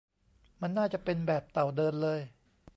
มันน่าจะเป็นแบบเต่าเดินเลย